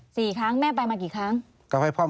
สี่ครั้งแม่ไปมากี่ครั้ง